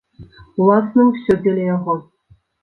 Уласна, усё дзеля яго.